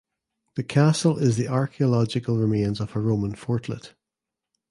The castle is the archaeological remains of an Roman fortlet.